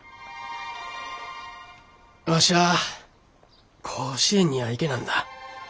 わしゃあ甲子園には行けなんだ。